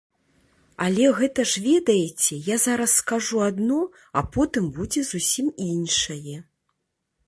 Але гэта ж, ведаеце, я зараз скажу адно, а потым будзе зусім іншае.